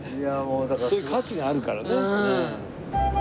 そういう価値があるからね。